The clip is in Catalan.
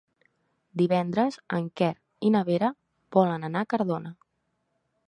Divendres en Quer i na Vera volen anar a Cardona.